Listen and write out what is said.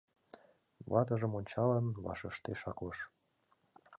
— ватыжым ончалын, вашештыш Акош.